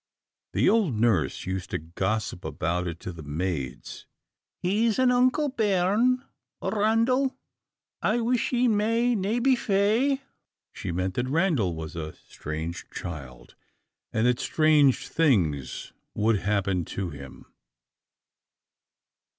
The old nurse used to gossip about it to the maids. "He's an unco' bairn, oor Randal; I wush he may na be fey." She meant that Randal was a strange child, and that strange things would happen to him.